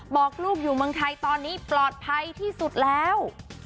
บอกลูกอยู่เมืองไทยตอนนี้ปลอดภัยที่สุดแล้ว